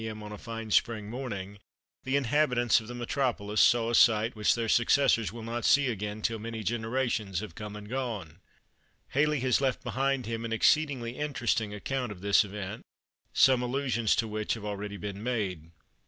m. on a fine spring morning, the inhabitants of the Metropolis saw a sight which their successors will not see again till many generations have come and gone. Halley has left behind him an exceedingly interesting account of this event, some allusions to which have already been made.